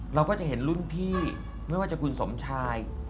เราก็จะเห็นรุ่นพี่ไม่ว่าจะคุณสมชาย